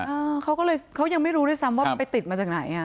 เนี่ยอ่าเขาก็เลยเขายังไม่รู้ได้ซ้ำว่าไปติดมาจากไหน